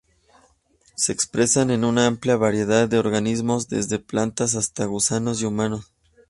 Se expresan en una amplia variedad de organismos, desde plantas hasta gusanos y humanos.